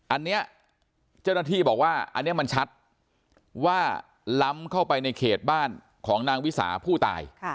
อันนี้เจ้าหน้าที่บอกว่าอันนี้มันชัดว่าล้ำเข้าไปในเขตบ้านของนางวิสาผู้ตาย